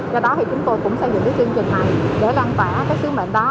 do đó thì chúng tôi cũng xây dựng cái chương trình này để lan tỏa cái sứ mệnh đó